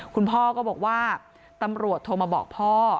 คุณพ่อก็บอกว่าตำรวจโทรมาบอกพ่อ